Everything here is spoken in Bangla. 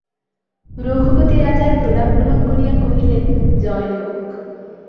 রঘুপতি রাজার প্রণাম গ্রহণ করিয়া কহিলেন, জয় হউক।